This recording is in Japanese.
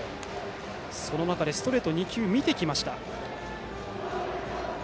その中でストレート２球見てきました。